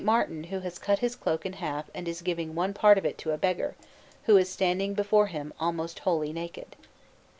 Martin who has cut his cloak in half and is giving one part of it to a beggar, who is standing before him almost wholly naked.